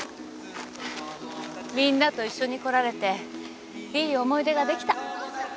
みんなと一緒に来られていい思い出ができた。